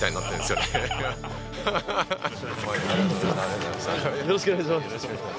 よろしくお願いします